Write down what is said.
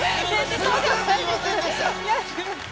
すみませんでした。